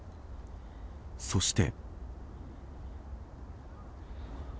そして。